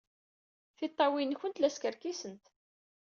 Tiṭṭawin-nwent la skerkisent.